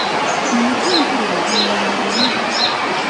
Omutwe mpulira gunnuma nnyo.